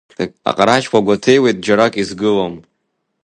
Аҟарачқәа гәаҭеиуеит, џьарак изгылом.